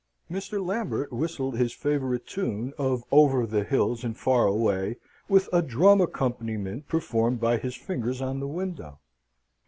Mr. Lambert whistled his favourite tune of "Over the hills and far away," with a drum accompaniment performed by his fingers on the window.